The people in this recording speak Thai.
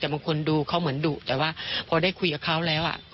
แต่บางคนดูเขาเหมือนดุแต่ว่าพอได้คุยกับเขาแล้ว